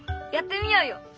やってみようよ！